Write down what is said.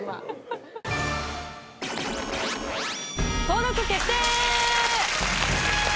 登録決定！